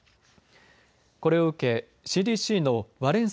これを受けＣＤＣのワレン